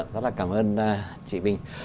rất là cảm ơn chị bình